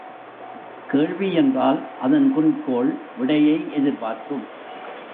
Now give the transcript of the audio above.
கேள்வி என்றால், அதன் குறிக்கோள், விடையை எதிர்பார்க்கும்.